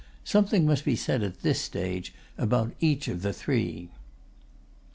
Something must be said at this stage about each of the three.